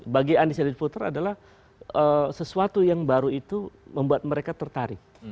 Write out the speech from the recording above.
bagi undecided voter adalah sesuatu yang baru itu membuat mereka tertarik